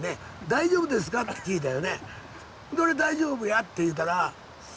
「大丈夫ですか？」って聞いたよね。